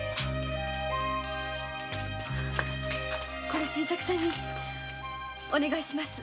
これを新作さんにお願いします。